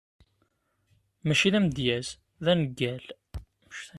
Mačči d amedyaz, d aneggal.